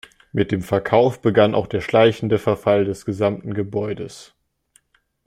Mit dem Verkauf begann auch der schleichende Verfall des gesamten Gebäudes.